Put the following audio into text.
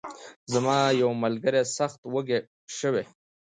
زما یو ملګری سخت وږی شوی.